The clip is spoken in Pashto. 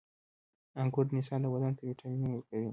• انګور د انسان بدن ته ویټامینونه ورکوي.